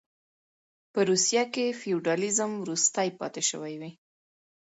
په روسیه کې فیوډالېزم وروستۍ پاتې شوې وې.